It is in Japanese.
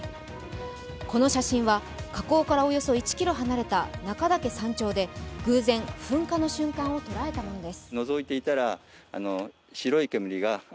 この写真は、火口からおよそ１ｋｍ離れた中岳山頂で偶然、噴火の瞬間を捉えたものです